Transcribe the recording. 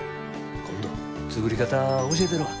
今度作り方教えたるわ。